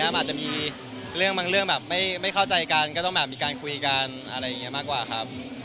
มันจะมีเรื่องไม่เข้าใจกันก็ต้องมีการคุยกันอะไรอย่างเนี่ยมากกว่าครับ